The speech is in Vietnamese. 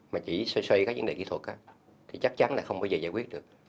mà chỉ xoay xoay các vấn đề kỹ thuật á thì chắc chắn là không bao giờ giải quyết được